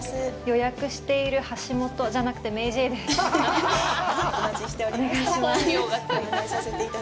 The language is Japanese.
予約している橋本じゃなくてＭａｙＪ．です。